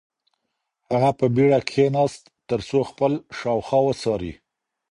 هغه په بېړه کښېناست ترڅو خپل شاوخوا وڅاري.